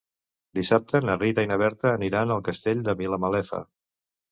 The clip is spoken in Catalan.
Dissabte na Rita i na Berta aniran al Castell de Vilamalefa.